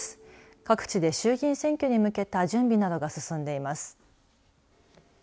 各地で衆議院選挙に向けた準備などが進んでいます。